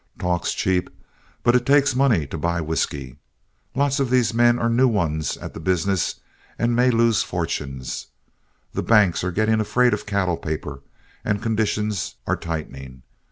Talk's cheap, but it takes money to buy whiskey. Lots of these men are new ones at the business and may lose fortunes. The banks are getting afraid of cattle paper, and conditions are tightening.